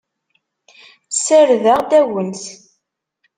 Ssardeɣ-d agnes.